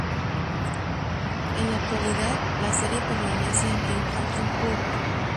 En la actualidad la serie permanece en Hampton Court.